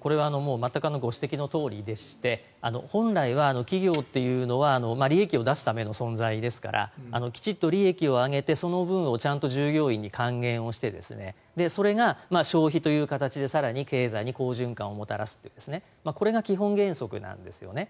これは全くご指摘のとおりでして本来は企業というのは利益を出すための存在ですからきちんと利益を上げてその分をきちんと従業員に還元してそれが消費という形で更に経済に好循環をもたらすというこれが基本原則なんですよね。